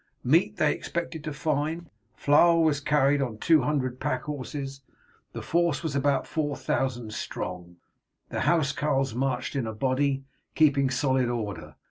Meat they expected to find; flour was carried on two hundred pack horses. The force was about 4000 strong. The housecarls marched in a body, keeping solid order.